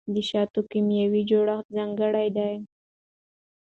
د شاتو کیمیاوي جوړښت ځانګړی دی.